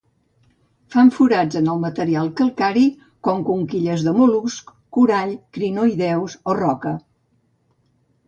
Fan forats en el material calcari, com conquilles de mol·luscs, corall, crinoïdeus o roca.